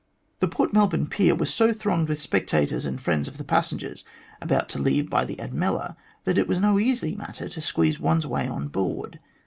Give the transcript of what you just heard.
The Port Melbourne pier was so thronged with spectators and friends of the passengers about to leave by the Admella, that it was no easy matter to squeeze one's way on board.